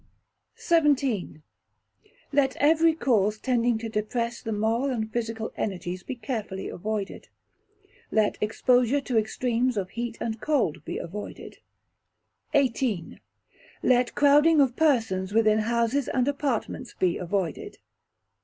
xvii. Let every cause tending to depress the moral and physical energies be carefully avoided. Let exposure to extremes of heat and cold be avoided. xviii. Let Crowding of persons within houses and apartments be avoided.